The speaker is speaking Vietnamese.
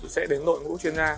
sẽ đến đội ngũ chuyên gia